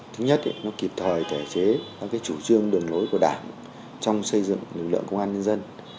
thứ nhất nó kịp thời thể chế các chủ trương đường lối của đảng trong xây dựng lực lượng công an nhân dân